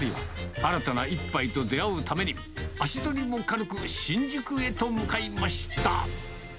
新たな一杯と出会うために、足取りも軽く新宿へと向かいました。